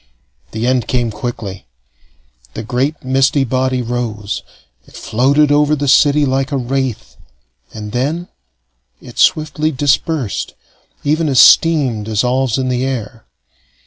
The end came quickly. The great misty body rose; it floated over the city like a wraith, and then it swiftly dispersed, even as steam dissolves in the air.